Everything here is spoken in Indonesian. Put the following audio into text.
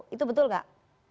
itu betul gak